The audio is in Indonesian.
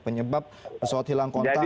penyebab pesawat hilang kontak